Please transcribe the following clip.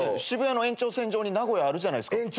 渋谷の延長線上に名古屋あるじゃないっすか。